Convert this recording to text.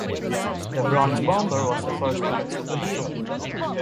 The Bronze Bomber was the first black superhero.